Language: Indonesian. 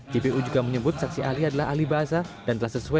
jpu juga menyebut saksi ahli adalah ahli bahasa